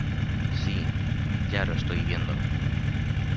Si, ya lo estoy viendo.